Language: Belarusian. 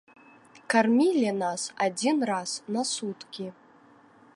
Кармілі нас адзін раз на суткі.